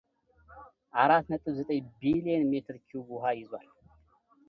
አራት ነጥብ ዘጠኝ ቢሊየን ሜትር ኪዩብ ውሃ ይዟል